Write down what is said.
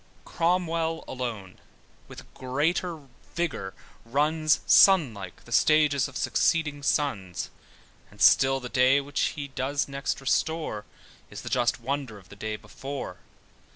Cromwell alone with greater vigour runs, (Sun like) the stages of succeeding suns: And still the day which he doth next restore, Is the just wonder of the day before.